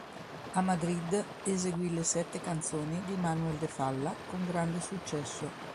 A Madrid, eseguì le "Sette canzoni" di Manuel de Falla con grande successo.